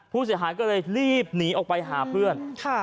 ผู้เสียหายก็เลยรีบหนีออกไปหาเพื่อน